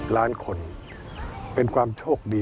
ล้านคนเป็นความโชคดี